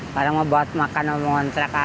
kadang mau buat makan mau ngontrak aja lah